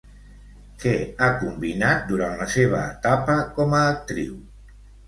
Què ha combinat durant la seva etapa com a actriu?